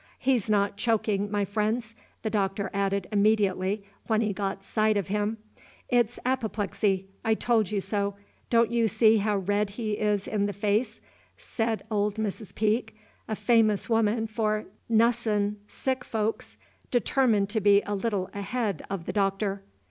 "He's not choking, my friends," the Doctor added immediately, when he got sight of him. "It 's apoplexy, I told you so, don't you see how red he is in the face?" said old Mrs. Peake, a famous woman for "nussin" sick folks, determined to be a little ahead of the Doctor.